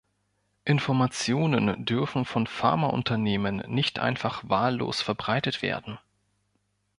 Informationen dürfen von Pharmaunternehmen nicht einfach wahllos verbreitet werden.